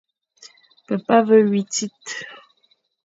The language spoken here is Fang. Pepa a ve wui tsit.